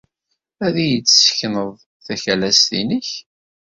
Ad iyi-d-tessekneḍ takalast-inek?